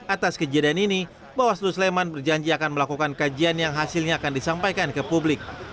atas kejadian ini bawaslu sleman berjanji akan melakukan kajian yang hasilnya akan disampaikan ke publik